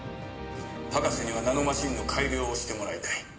博士にはナノマシンの改良をしてもらいたい。